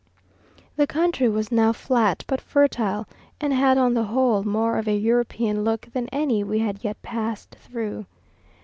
The country was now flat but fertile, and had on the whole more of a European look than any we had yet passed through.